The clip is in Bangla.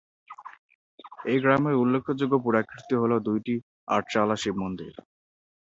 এই গ্রামের উল্লেখযোগ্য পুরাকীর্তি হল দুইটি আটচালা শিবমন্দির।